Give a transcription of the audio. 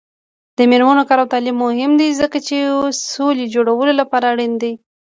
د میرمنو کار او تعلیم مهم دی ځکه چې سولې جوړولو لپاره اړین دی.